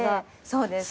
そうです。